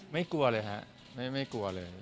ไม่กลัวเลยฮะไม่กลัวเลย